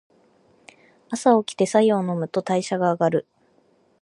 朝おきて白湯を飲むと代謝が上がる。